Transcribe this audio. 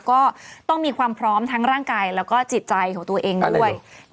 ก็ต้องมีความพร้อมทั้งร่างกายแล้วก็จิตใจของตัวเองด้วย